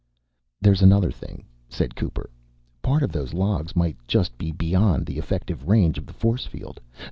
"There's another thing," said Cooper. "Part of those logs might just be beyond the effective range of the force field.